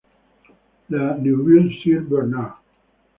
La Neuville-Sire-Bernard